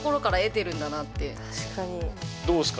どうですか？